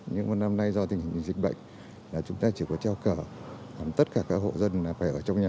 nhưng mà năm nay do tình hình dịch bệnh là chúng ta chỉ có treo cờ còn tất cả các hộ dân là phải ở trong nhà